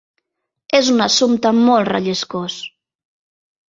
És un assumpte molt relliscós.